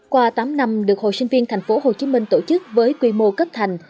qua tám năm được hồ sinh viên thành phố hồ chí minh tổ chức với quy mô cấp thành